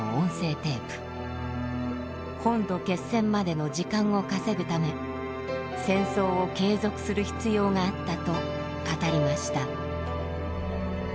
本土決戦までの時間を稼ぐため戦争を継続する必要があったと語りました。